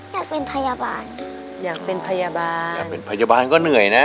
อยากเป็นพยาบาลอยากเป็นพยาบาลอยากเป็นพยาบาลก็เหนื่อยนะ